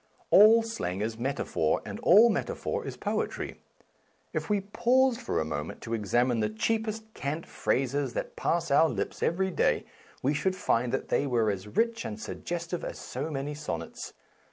/• All slang is metaphor, and all metaphor is poetry. If we paused for a moment to examine the cheapest cant phrases that pass our lips every day, we should find that they were as rich and suggestive as so many sonnets.